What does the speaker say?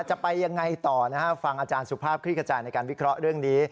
จะไปยังไงต่อนะฮะฟังอาจารย์สุภาพคลิกกระจายในการวิเคราะห์เรื่องนี้